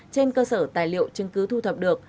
trên cơ sở tài liệu chứng cứ thu thập được